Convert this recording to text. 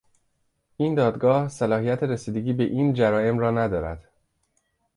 این دادگاه صلاحیت رسیدگی به این جرایم را ندارد.